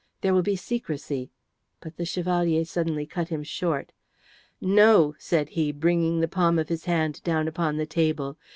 There will be secrecy " but the Chevalier suddenly cut him short. "No," said he, bringing the palm of his hand down upon the table.